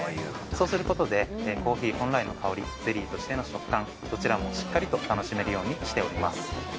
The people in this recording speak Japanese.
そうする事でコーヒー本来の香りゼリーとしての食感どちらもしっかりと楽しめるようにしております。